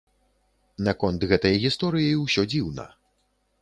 Наконт гэтай гісторыі ўсё дзіўна.